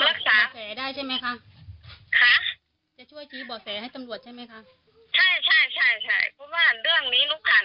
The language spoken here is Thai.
เพราะว่าหนูจะลงให้เนี่ยเพราะว่าหนูเป็นเหมือนกับมีองค์ลง